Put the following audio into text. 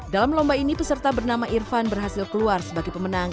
dalam lomba ini peserta bernama irfan berhasil keluar sebagai pemenang